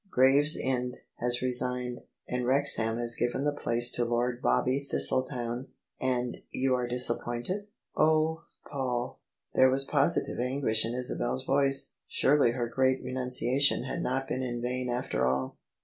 Graves end has resigned, and Wrexham has given the place to Lord Bobby Thistletown." "And you are disappointed? Oh, Paul!" There was positive anguish in Isabel's voice: surely her great renuncia tion had not been in vain after all.